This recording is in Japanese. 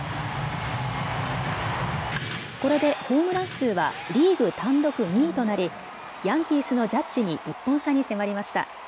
これでホームラン数はリーグ単独２位となりヤンキースのジャッジに１本差に迫りました。